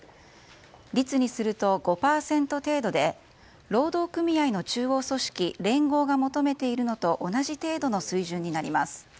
率にすると５％程度で労働組合の中央組織連合が求めているのと同じ程度の水準になります。